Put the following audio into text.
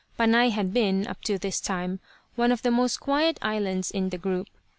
Panay had been, up to this time, one of the most quiet islands in the group.